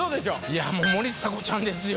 いや森迫ちゃんですよ。